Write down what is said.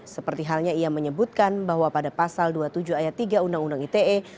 seperti halnya ia menyebutkan bahwa pada pasal dua puluh tujuh ayat tiga undang undang ite